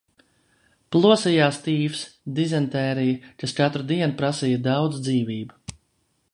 Plosījās tīfs, dizentērija, kas katru dienu prasīja daudz dzīvību.